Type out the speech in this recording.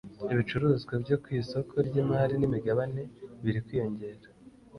ibicuruzwa byo ku isoko ry’imari n’imigabane biri kwiyongera